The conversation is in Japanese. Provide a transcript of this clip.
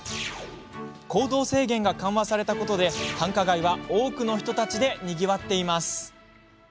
行動制限が緩和されたことで繁華街は、多くの人たちでにぎわっています。